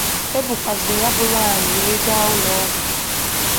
E bukwàzịrị ya bụ nwaanyị wee gaa ulọọgwụ